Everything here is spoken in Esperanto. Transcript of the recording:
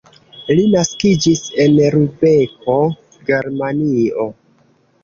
Li naskiĝis en Lubeko, Germanio.